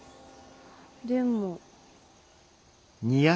でも。